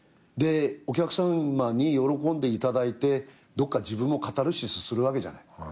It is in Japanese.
でお客さまに喜んでいただいてどっか自分もカタルシスするわけじゃない。